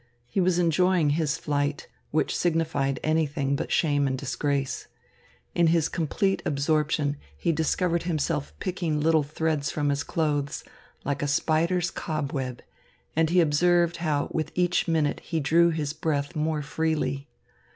He was enjoying his flight, which signified anything but shame and disgrace. In his complete absorption, he discovered himself picking little threads from his clothes, like a spider's cobweb, and he observed how with each minute he drew his breath more freely.